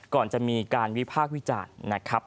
ก่อนจะมีการวิพากษ์วิจารณ์นะครับ